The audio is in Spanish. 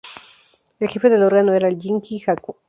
El jefe del órgano era el "Jingi-haku".